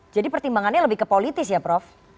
jadi pertimbangannya lebih ke politis ya prof